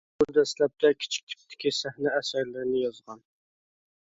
ئۇ دەسلەپتە كىچىك تىپتىكى سەھنە ئەسەرلىرىنى يازغان .